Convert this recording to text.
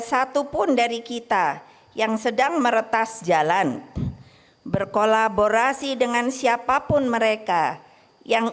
satupun dari kita yang sedang meretas jalan berkolaborasi dengan siapapun mereka yang